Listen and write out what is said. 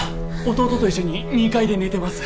弟と一緒に２階で寝てます。